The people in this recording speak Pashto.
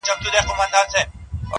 هر ستمګر ته د اغزیو وطن-